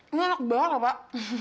ini enak banget pak